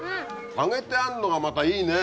揚げてあんのがまたいいね。